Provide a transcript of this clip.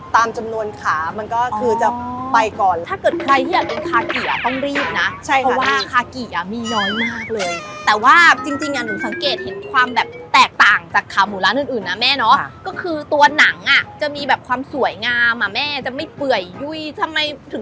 แล้วพี่ยูเป็นคนขับมาเหรอใช่ค่ะขับมามาตรอดตรงเนี้ยขับเองขับเองใช่ด้วยขายเลยใช่